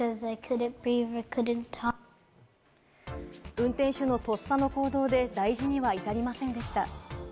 運転手のとっさの行動で、大事には至りませんでした。